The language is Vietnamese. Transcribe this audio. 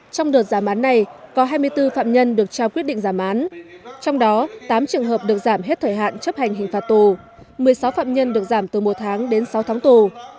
trong đợt giảm án này có hai mươi bốn phạm nhân được trao quyết định giảm án trong đó tám trường hợp được giảm hết thời hạn chấp hành hình phạt tù một mươi sáu phạm nhân được giảm từ một tháng đến sáu tháng tù